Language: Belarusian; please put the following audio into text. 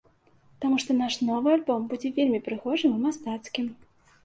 Таму што наш новы альбом будзе вельмі прыгожым і мастацкім.